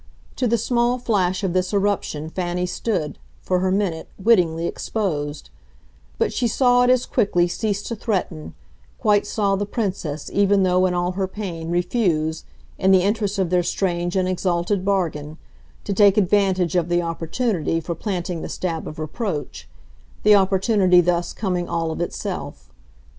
To the small flash of this eruption Fanny stood, for her minute, wittingly exposed; but she saw it as quickly cease to threaten quite saw the Princess, even though in all her pain, refuse, in the interest of their strange and exalted bargain, to take advantage of the opportunity for planting the stab of reproach, the opportunity thus coming all of itself.